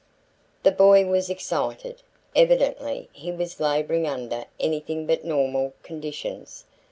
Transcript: The boy was excited. Evidently he was laboring under anything but normal conditions.